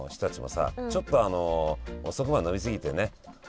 ちょっと遅くまで飲み過ぎてね